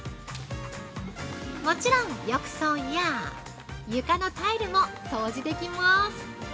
もちろん浴槽や床のタイルも掃除できます。